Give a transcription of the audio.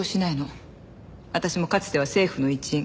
私もかつては政府の一員。